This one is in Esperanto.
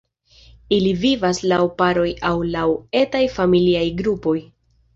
Ili vivas laŭ paroj aŭ laŭ etaj familiaj grupoj.